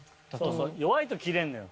弱いと切れんのよ。